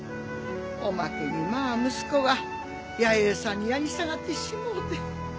おまけにまぁ息子は弥生さんに脂下がってしもうて。